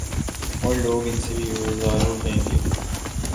اورلوگ ان سے بھی بیزار ہوجائیں گے۔